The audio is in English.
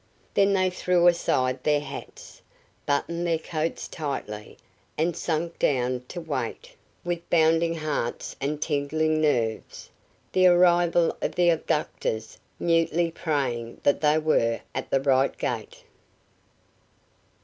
Then they threw aside their hats, buttoned their coats tightly, and sank down to wait, with bounding hearts and tingling nerves, the arrival of the abductors, mutely praying that they were at the right gate.